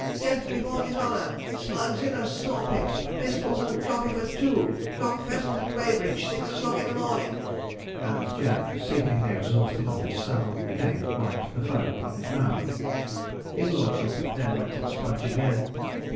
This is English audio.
Death before dishonour! Slugs in a saw pit! Pistols and coffee for two! Cock Pheasant at Weybridge, six o'clock i' the mornin'!' And Jack, sinking exhausted on his saddle, again wiped the foam from his mouth. His lordship then went at Sponge again.